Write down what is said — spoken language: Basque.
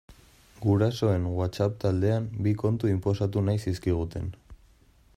Gurasoen WhatsApp taldean bi kontu inposatu nahi zizkiguten.